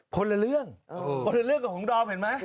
คนละเรื่องคนละเรื่องกับของดอมเห็นไหม